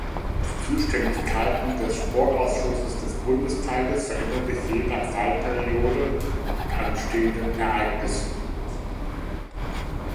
Die Zuständigkeiten des Sportausschusses des Bundestages verändern sich je nach Wahlperiode und anstehenden Ereignissen.